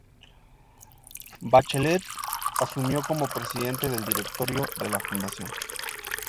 Bachelet asumió como presidente del Directorio de la fundación.